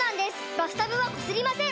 バスタブはこすりません！